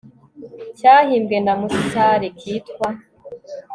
cyahimbwe na musare kitwa